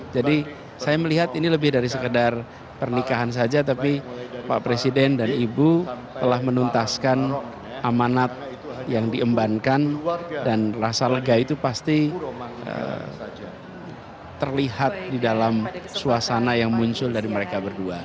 jadi saya melihat ini lebih dari sekedar pernikahan saja tapi pak presiden dan ibu telah menuntaskan amanat yang diembankan dan rasa lega itu pasti terlihat di dalam suasana yang muncul dari mereka berdua